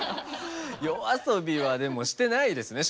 夜遊びはしてないですね